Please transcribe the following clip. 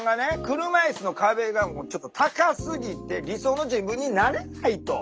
車いすの壁がちょっと高すぎて理想の自分になれないと。